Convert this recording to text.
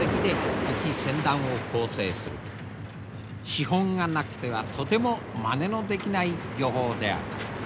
資本がなくてはとてもまねのできない漁法である。